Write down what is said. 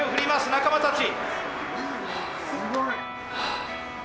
仲間たち。